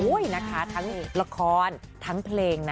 นะคะทั้งละครทั้งเพลงนะ